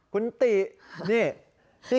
คุณตินี่